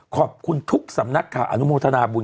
ขอบคุณทุกสำนักข่าวอนุโมทนาบุญ